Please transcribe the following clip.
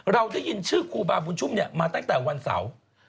เราได้ยินชื่อมาตั้งแต่วันเสาร์